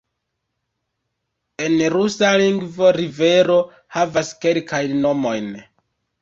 En rusa lingvo rivero havas kelkajn nomojn.